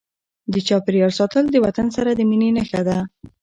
د چاپیریال ساتل د وطن سره د مینې نښه ده.